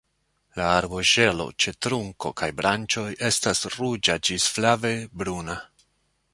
La arboŝelo ĉe trunko kaj branĉoj estas ruĝa ĝis flave bruna.